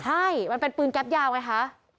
ใช่มันเป็นปืนแก๊ปยาวไงคะ